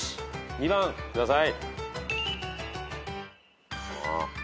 ２番ください。